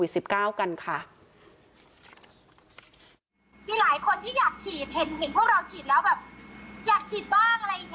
คุณน้อยซูจีราค่ะนาราพิธีกรสาวชื่อดังอดีตหนังสาวไทยด้วยนะคะ